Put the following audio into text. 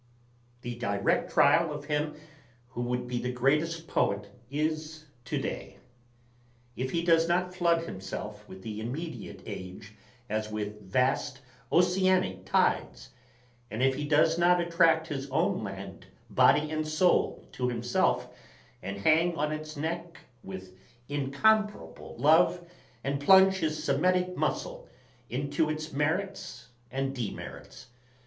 The direct trial of him who would be the greatest poet is to day. If he does not flood himself with the immediate age as with vast oceanic tides ... and if he does not attract his own land body and soul to himself, and hang on its neck with incomparable love and plunge his Semitic muscle into its merits and demerits